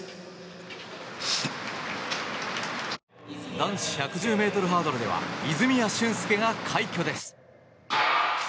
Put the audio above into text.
男子１１０ｍハードルでは泉谷駿介が快挙です。